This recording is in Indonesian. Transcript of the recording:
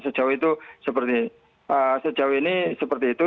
sejauh itu seperti sejauh ini seperti itu